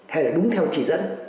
hay là đúng theo chỉ dẫn